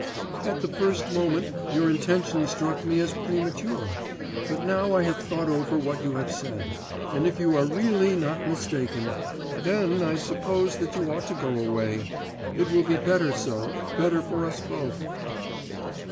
'At the first moment, your intention struck me as premature ... but now I have thought over what you have said ... and if you are really not mistaken, then I suppose that you ought to go away. It will be better so ... better for us both.